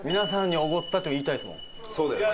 そうだよね。